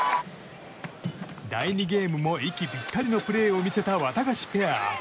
第２ゲームも息ぴったりのプレーを見せたワタガシペア。